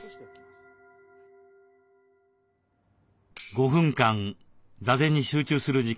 ５分間座禅に集中する時間。